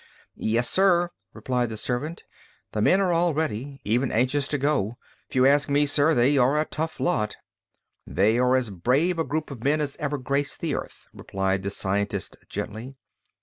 "Yes, sir," replied the servant. "The men are all ready, even anxious to go. If you ask me, sir, they are a tough lot." "They are as brave a group of men as ever graced the Earth," replied the scientist gently.